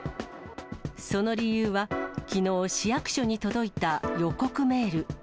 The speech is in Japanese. その理由は、きのう、市役所に届いた予告メール。